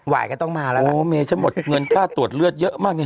หวายก็ต้องมาแล้วล่ะโอ้โฮเมชมดเงินค่าตรวจเลือดเยอะมากนี่